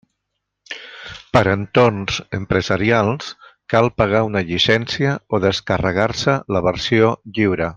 Per a entorns empresarials cal pagar una llicència o descarregar-se la versió lliure.